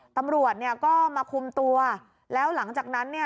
ตำรวจก็มาคุมตัวแล้วหลังจากนั้น